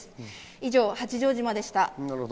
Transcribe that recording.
以上、八丈島でした。